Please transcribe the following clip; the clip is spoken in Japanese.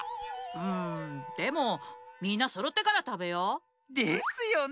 んでもみんなそろってからたべよう。ですよね。